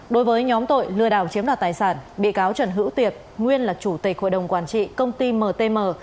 đối với nhóm tội lừa đảo chiếm đoạt tài sản bị cáo trần hữu tiệp nguyên là chủ tịch hội đồng quản trị công ty mtm